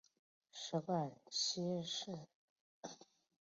食管憩室。